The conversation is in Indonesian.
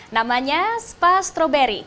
namanya spa stroberi